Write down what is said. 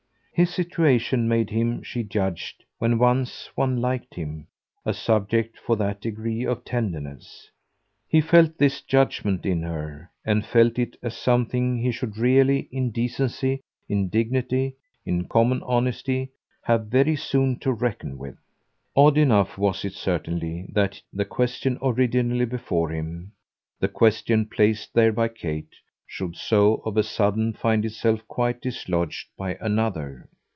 His situation made him, she judged when once one liked him a subject for that degree of tenderness: he felt this judgement in her, and felt it as something he should really, in decency, in dignity, in common honesty, have very soon to reckon with. Odd enough was it certainly that the question originally before him, the question placed there by Kate, should so of a sudden find itself quite dislodged by another.